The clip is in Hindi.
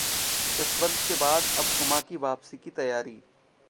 जसवंत के बाद अब उमा की वापसी की तैयारी